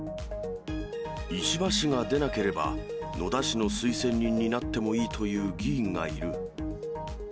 石破氏が出なければ、野田氏の推薦人になってもいいという議員がいる。